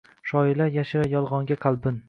Shoirlar yashirar yolgʻonga qalbin